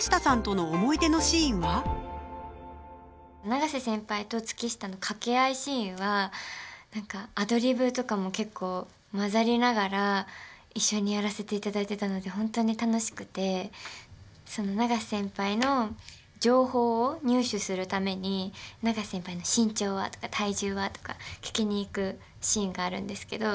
永瀬先輩と月下の掛け合いシーンは何かアドリブとかも結構交ざりながら一緒にやらせていただいてたので本当に楽しくて永瀬先輩の情報を入手するために「永瀬先輩の身長は？」とか「体重は？」とか聞きに行くシーンがあるんですけど。